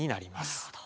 なるほど。